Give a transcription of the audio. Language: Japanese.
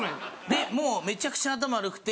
もうめちゃくちゃ頭悪くて。